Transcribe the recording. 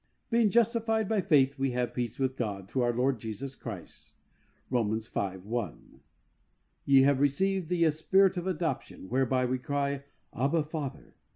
" Being justified by faith we have peace with God through our Lord Jesus Christ" (Rom.v. i). " Ye have received the spirit of adoption, whereby we cry, Abba, Father.